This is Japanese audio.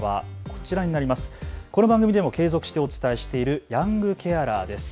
この番組でも継続してお伝えしているヤングケアラーです。